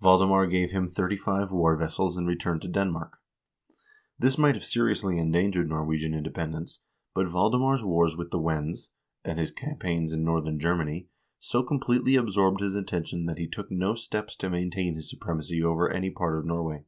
Valdemar gave them thirty five war vessels and returned to Denmark. This might have seri ously endangered Norwegian independence, but Valdemar's wars with the Wends, and his campaigns in northern Germany, so com pletely absorbed his attention that he took no steps to maintain his supremacy over any part of Norway.